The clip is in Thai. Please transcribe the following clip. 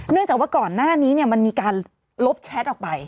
จากว่าก่อนหน้านี้มันมีการลบแชทออกไป